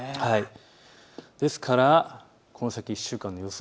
ですからこの先１週間の予想